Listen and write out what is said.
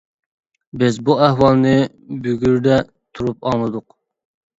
بىز بۇ ئەھۋالنى بۈگۈردە تۇرۇپ ئاڭلىدۇق.